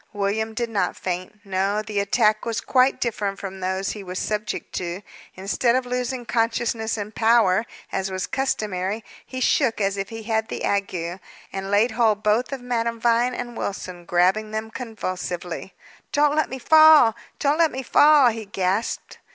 William did not faint. No; the attack was quite different from those he was subject to. Instead of losing consciousness and power, as was customary, he shook as if he had the ague, and laid hold both of Madame Vine and Wilson, grasping them convulsively. "Don't let me fall! Don't let me fall!" he gasped.